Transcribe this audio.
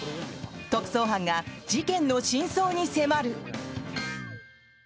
特捜班が事件の真相に迫る！